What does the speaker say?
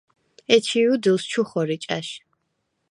ეჩი̄ უდილს ჩუ ხორი ჭა̈შ.